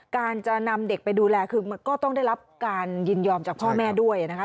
การจะนำเด็กไปดูแลคือก็ต้องได้รับการยินยอมจากพ่อแม่ด้วยนะคะ